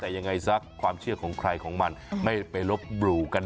ยังไงซะความเชื่อของใร่ของมันจะไปรบบรูกัน